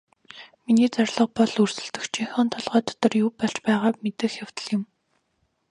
Миний зорилго бол өрсөлдөгчийнхөө толгой дотор юу болж байгааг мэдэх явдал юм.